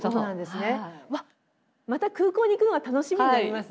また空港に行くのが楽しみになりますね。